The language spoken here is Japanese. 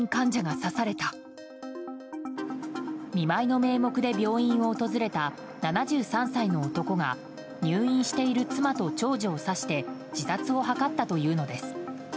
見舞いの名目で病院を訪れた７３歳の男が入院している妻と長女を刺して自殺を図ったというのです。